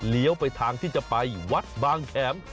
เหลี่ยวไปทางที่จะไปวัดบางแขม